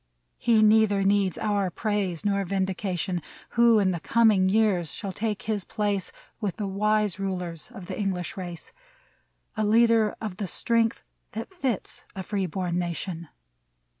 He neither needs our praise nor vindication, Who in the coming years shall take his place With the wise rulers of the English race ; A leader of the strength that fits a free born na tion